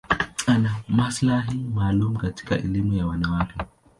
Ana maslahi maalum katika elimu ya wanawake.